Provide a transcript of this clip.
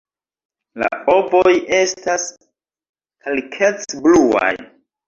La ovoj estas kalkec-bluaj.